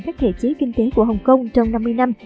các thể chế kinh tế của hồng kông trong năm mươi năm